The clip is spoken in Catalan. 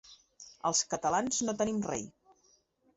Els catalans no tenim rei!